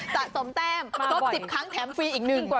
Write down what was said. สะสมแป้มลด๑๐ครั้งแถมฟรีอีกหนึ่ง